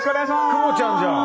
クボちゃんじゃん！